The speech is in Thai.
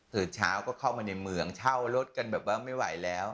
ตื่นเช้าก็เข้ามาในเมืองเช่ารถกันแบบว่าไม่ไหวแล้ว